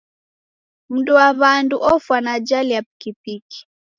Mnduwaw'andu ofwa na ajali ya pikipiki.